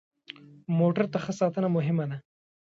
موټر ته ښه ساتنه مهمه ده.